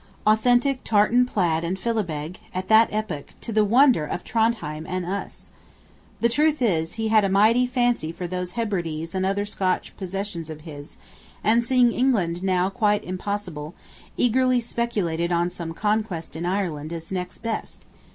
Authentic tartan plaid and philibeg, at that epoch, to the wonder of Trondhjem and us! The truth is, he had a mighty fancy for those Hebrides and other Scotch possessions of his; and seeing England now quite impossible, eagerly speculated on some conquest in Ireland as next best.